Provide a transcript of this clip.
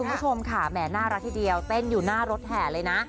คุณผู้ชมค่ะแหมน่ารักทีเดียวเต้นอยู่หน้ารถแห่เลยนะ